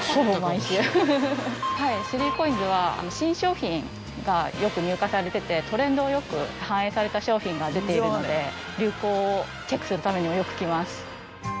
３ＣＯＩＮＳは新商品がよく入荷されててトレンドをよく反映された商品が出ているので流行をチェックするためにもよく来ます。